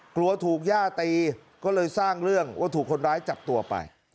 กลัวถูกย่าตีก็เลยสร้างเรื่องว่าถูกคนร้ายจับตัวไป